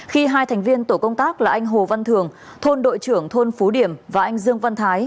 khi hai thành viên tổ công tác là anh hồ văn thường thôn đội trưởng thôn phú điểm và anh dương văn thái